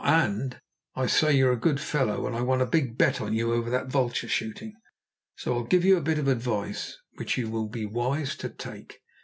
And, I say, you're a good fellow, and I won a big bet on you over that vulture shooting, so I will give you a bit of advice, which you will be wise to take.